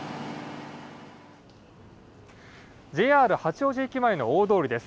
ＪＲ八王子駅前の大通りです。